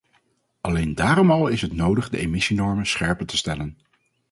Alleen daarom al is het nodig de emissienormen scherper te stellen.